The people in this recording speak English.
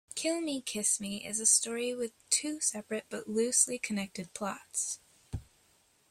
"Kill Me, Kiss Me" is a story with two separate but loosely connected plots.